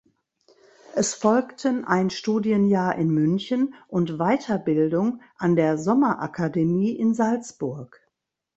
Es folgten ein Studienjahr in München und Weiterbildung an der Sommerakademie in Salzburg.